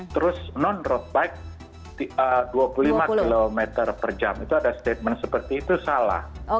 terus non road bike dua puluh lima km per jam itu ada statement seperti itu salah